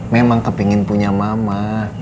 memang kepengen punya mama